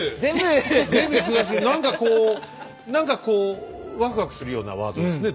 全部詳しく何かこう何かこうワクワクするようなワードですね